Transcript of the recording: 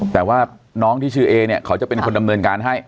แต่ว่าน้องที่ชื่อเอเนี่ยเขาจะเป็นคนดำเนินการให้